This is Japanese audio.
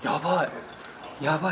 やばい。